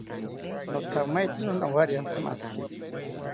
Nothamaetziro nowariantzimashiki